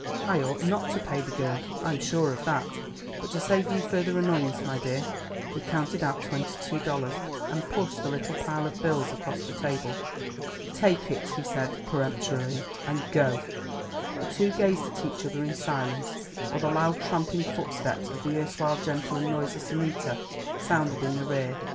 "I ought not to pay the girl, I'm sure of that; but to save you further annoyance, my dear " He counted out twenty two dollars, and pushed the little pile of bills across the table. "Take it," he said peremptorily, "and go." The two gazed at each other in silence while the loud trampling footsteps of the erstwhile gentle and noiseless Annita sounded in the rear.